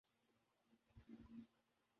تمباکو نوشی کرنے والے کے پھیپھڑے متاثر ہوتے ہیں